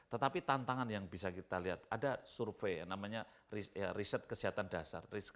tetapi tantangan yang bisa kita lihat ada survei yang namanya riset kesehatan dasar